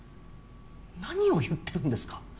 なにを言ってるんですか？